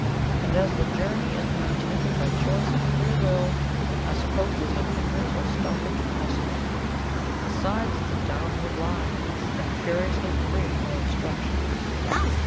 And as the journey is being taken by choice and free will, I suppose there's no hindrance or stoppage possible. Besides, it's a downward line, and curiously free from obstructions."